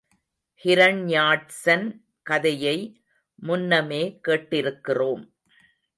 ஹிரண்யாட்சன் கதையை முன்னமே கேட்டிருக்கிறோம்.